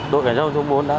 đối với những tình huống đó